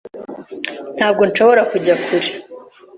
Ntabwo nshobora kujya kure.